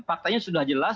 faktanya sudah jelas